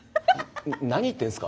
何言ってんすか？